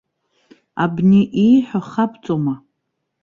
Абни ииҳәо хабҵома?